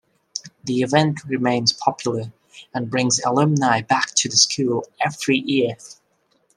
The event remains popular and brings alumni back to the school every year.